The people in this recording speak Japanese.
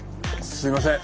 すいません。